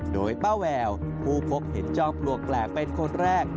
โดยป้าแววผู้พบเห็นจ้อปลวกแปลกเป็นคนแรก